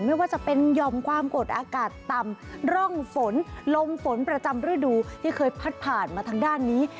ไม่ว่าจะเป็นหย่อมความกดอากาศต่ำร่องฝนลมฝนประจำฤดูที่เคยพัดผ่านมาทางด้านนี้